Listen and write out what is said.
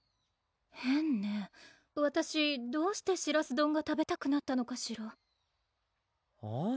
変ねわたしどうしてしらす丼が食べたくなったのかしらはぁ？